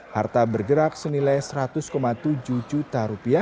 harta bergerak senilai rp seratus tujuh juta